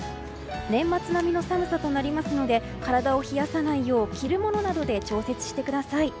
年末並みの寒さとなりますので体を冷やさないよう着るものなどで調節してください。